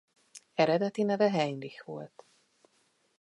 Eredeti neve Heinrich volt.